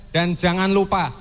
dan jangan lupa